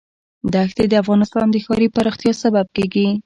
دښتې د افغانستان د ښاري پراختیا سبب کېږي.